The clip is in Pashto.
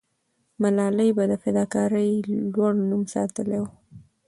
ملالۍ به د فداکارۍ لوړ نوم ساتلې وو.